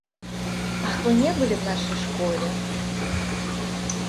Ах, вы не были в нашей школе?